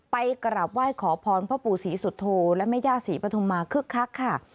ไปกราบไหว้ขอพรพ่อปู่ศรีสุโธและแม่ย่าศรีปฐุมมาคึกคักค่ะ